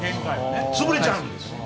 潰れちゃうんです。